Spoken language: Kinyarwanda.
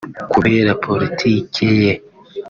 kubera politike ye